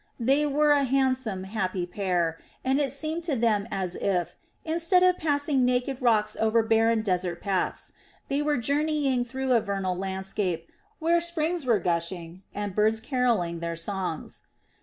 They were a handsome, happy pair, and it seemed to them as if, instead of passing naked rocks over barren desert paths, they were journeying through a vernal landscape where springs were gushing and birds carolling their songs.